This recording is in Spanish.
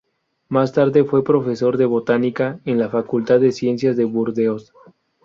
Más tarde fue profesor de botánica en la Facultad de Ciencias de Burdeos.